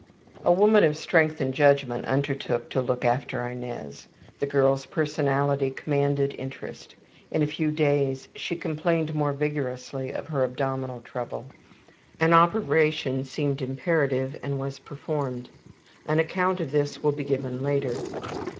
'' A woman of strength and judgment undertook to look after Inez. The girl's personality commanded interest. In a few days she complained more vigorously of her abdominal trouble; an operation seemed imperative and was performed. (An account of this will be given later.)